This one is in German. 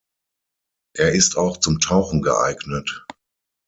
Er ist auch zum Tauchen geeignet.